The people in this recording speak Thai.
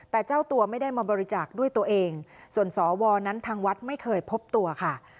แต่เจ้าตัวไม่ได้มาบริจาคด้วยตัวเองส่วนสวนั้นทางวัดไม่เคยพบตัวค่ะ